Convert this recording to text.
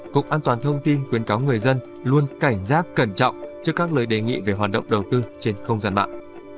cục an toàn thông tin khuyến cáo người dân luôn cảnh giác cẩn trọng trước các lời đề nghị về hoạt động đầu tư trên không gian mạng